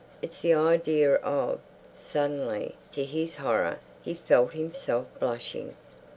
It's the idea of—" Suddenly, to his horror, he felt himself blushing.